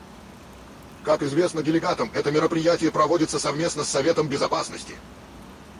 Как известно делегатам, это мероприятие проводится совместно с Советом Безопасности.